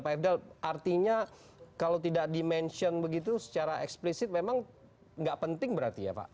pak ifdal artinya kalau tidak dimention begitu secara eksplisit memang nggak penting berarti ya pak